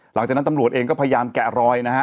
หลังจากนั้นตำรวจเองก็พยายามแกะรอยนะฮะ